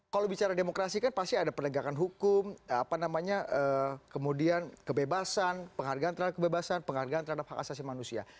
kalau bicara demokrasi kan pasti ada penegakan hukum apa namanya kemudian kebebasan penghargaan terhadap kebebasan penghargaan terhadap hak asasi manusia